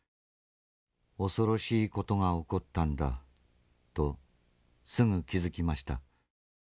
恐ろしい事が起こったんだとすぐ気付きました。